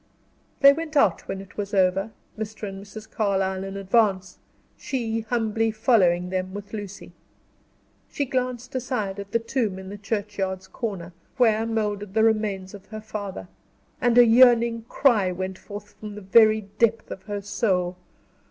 They went out when it was over. Mr. and Mrs. Carlyle in advance; she, humbly following them with Lucy. She glanced aside at the tomb in the churchyard's corner, where moldered the remains of her father; and a yearning cry went forth from the very depth of her soul.